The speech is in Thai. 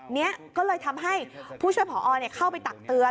นี้ก็เลยทำให้ผู้ช่วยผอเข้าไปตักเตือน